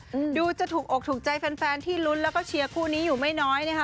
อืมดูจะถูกอกถูกใจแฟนแฟนที่ลุ้นแล้วก็เชียร์คู่นี้อยู่ไม่น้อยนะคะ